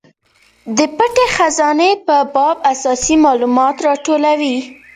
د پټې خزانې په باب اساسي مالومات راټولوي.